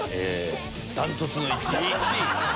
断トツの１位。